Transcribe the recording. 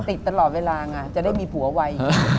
ติดตลอดเวลาง่ะจะได้มีผัวไว